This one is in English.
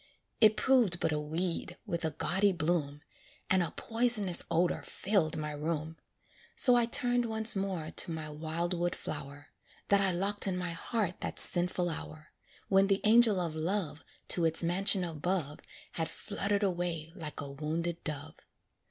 It proved but a weed with a gaudy bloom, And a poisonous odor filled my room. So I turned once more to my wildwood flower, That I locked in my heart that sinful hour, When the angel of love, To its mansion above, Had fluttered away like a wounded dove.